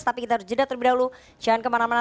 tapi kita harus jeda terlebih dahulu jangan kemana mana